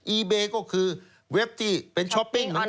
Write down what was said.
อีเบก็คือเว็บที่เป็นช้อปปิ้งเหมือนกัน